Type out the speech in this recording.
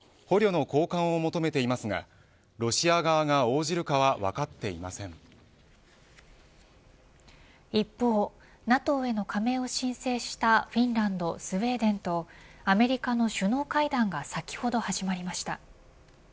ウクライナ側は投降した兵士と捕虜の交換を求めていますがロシア側が一方ＮＡＴＯへの加盟を申請したフィンランド、スウェーデンとアメリカの首脳会談が先ほど始まりました。